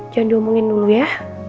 jangan diomongin dulu ya